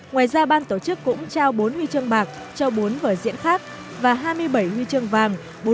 ngoài ra ban tổ chức cũng trao bốn huy chương bạc cho bốn vở diễn khác và hai mươi bảy huy chương vàng